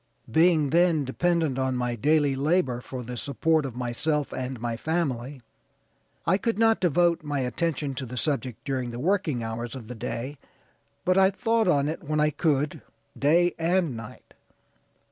Being then dependent on my daily labor for the support of myself and my family I could not devote my attention to the subject during the working hours of the day, but I thought on it when I could, day and night.